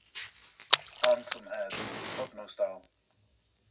Handsome head, but no style.